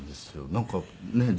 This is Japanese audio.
なんかねえ